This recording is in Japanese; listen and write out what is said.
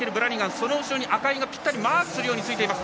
その後ろに赤井がマークするようについています。